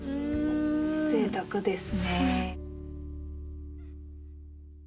ぜいたくですね。